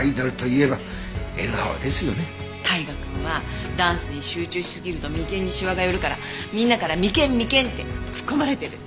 大我くんはダンスに集中しすぎると眉間にしわが寄るからみんなから「眉間！眉間！」ってツッコまれてる。